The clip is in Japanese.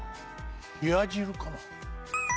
冷や汁かな？